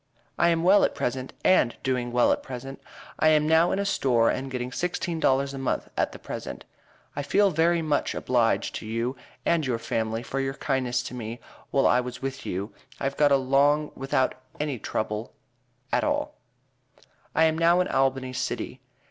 i am well at present and doing well at present i am now in a store and getting sixteen dollars a month at the present. i feel very much o blige to you and your family for your kindnes to me while i was with you i have got a long without any trub le a tal. i am now in albany City.